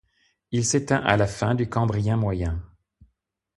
Il s'éteint à la fin du Cambrien moyen.